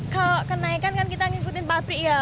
kalau kenaikan kan kita ngikutin pabrik ya